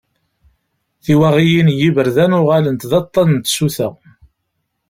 Tiwaɣiyin n yiberdan uɣalent d aṭṭan n tsuta.